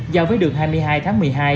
giao với đường hai mươi hai tháng một mươi hai